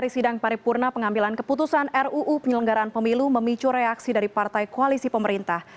sebelumnya pengambilan keputusan ruu penyelenggaran pemilu memicu reaksi dari partai koalisi pemerintah